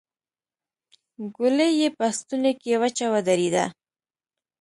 ګولۍ يې په ستونې کې وچه ودرېده.